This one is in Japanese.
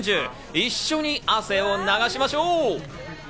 一緒に汗を流しましょう。